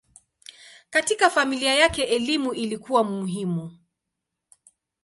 Katika familia yake elimu ilikuwa muhimu.